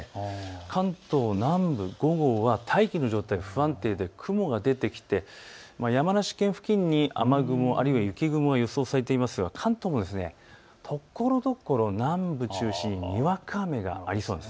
関東南部、午後は大気の状態が不安定で雲が出てきて山梨県付近に雨雲あるいは雪雲が予想されてますが関東もところどころ南部を中心ににわか雨がありそうです。